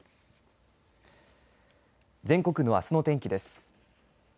全国のあすの天気です。